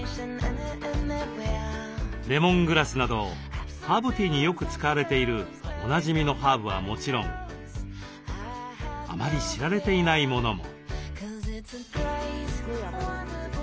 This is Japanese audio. レモングラスなどハーブティーによく使われているおなじみのハーブはもちろんあまり知られていないものも。